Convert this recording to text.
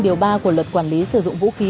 điều ba của luật quản lý sử dụng vũ khí